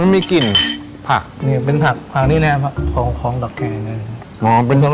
มีกลิ่นผักมีกลิ่นผักพร้องดอกแคร์